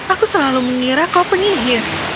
aku selalu mengira kau penyihir